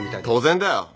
当然だよ。